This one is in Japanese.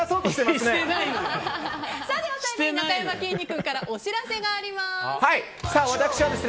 ではなかやまきんに君からお知らせがあります。